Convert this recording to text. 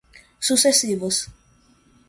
sucessivas